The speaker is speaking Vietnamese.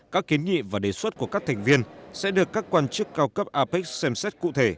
các kiến nghị và đề xuất của các thành viên sẽ được các quan chức cao cấp apec xem xét cụ thể